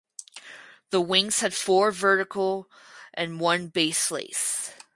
The wings had four vertical and one base lace.